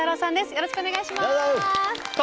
よろしくお願いします。